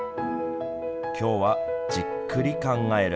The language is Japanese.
きょうはじっくり考える。